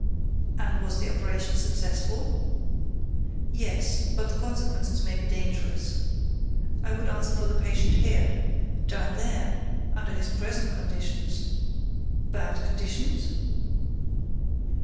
"And was the operation successful?" "Yes, but the consequences may be dangerous. I would answer for the patient here. Down there—under his present conditions—" "Bad conditions?"